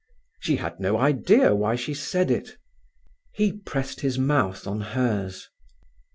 She had no idea why she said it. He pressed his mouth on hers.